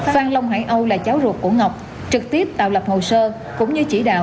phan long hải âu là cháu ruột của ngọc trực tiếp tạo lập hồ sơ cũng như chỉ đạo